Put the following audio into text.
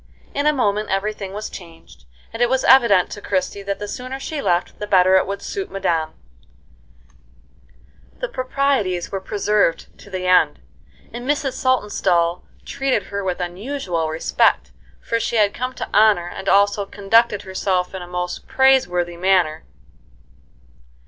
In a moment every thing was changed; and it was evident to Christie that the sooner she left the better it would suit madame. The proprieties were preserved to the end, and Mrs. Saltonstall treated her with unusual respect, for she had come to honor, and also conducted herself in a most praiseworthy manner.